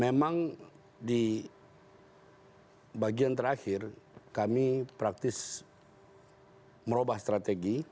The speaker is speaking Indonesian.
memang di bagian terakhir kami praktis merubah strategi